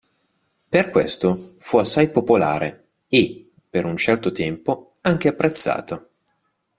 Per questo fu assai popolare e, per un certo tempo, anche apprezzato.